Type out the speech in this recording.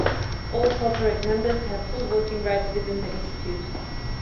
All corporate members have full voting rights within the Institute.